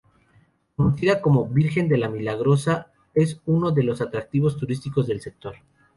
Conocida como "Virgen de La Milagrosa", es uno de los atractivos turísticos del sector.